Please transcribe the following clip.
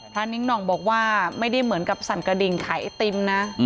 นิ้งหน่องบอกว่าไม่ได้เหมือนกับสั่นกระดิ่งขายไอติมนะ